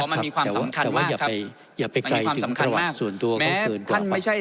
มันมีความสำคัญมากครับมันมีความสำคัญมากส่วนตัวแม้ท่านไม่ใช่